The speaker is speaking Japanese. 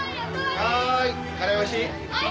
カレーおいしい？